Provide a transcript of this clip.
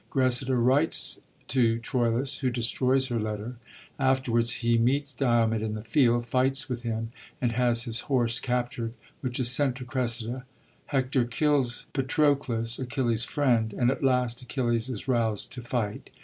Gressida writes to Troilus, who destroys her letUsr, Afterwards he meets Diomed in the field, fights with him, and has his horse captured, which is sent to Gres sida. Hector kills Patrochis, Achilles's friend, and at last Ajchilles is roused to fight.